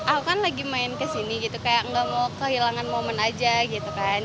aku kan lagi main kesini gitu kayak gak mau kehilangan momen aja gitu kan